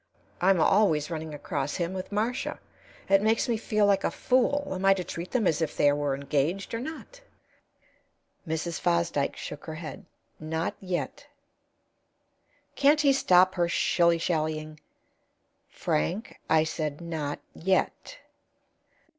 I'm always running across him with Marcia. It makes me feel like a fool. Am I to treat them as if they were engaged, or not?" Mrs. Fosdyke shook her head. "Not yet." "Can't he stop her shillyshallying?" "Frank, I said 'Not yet.'"